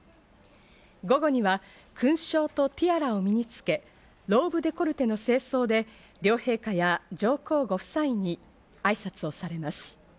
午後には勲章とティアラを身につけ、ローブデコルテの正装で両陛下や上皇ご夫妻に挨拶をされます。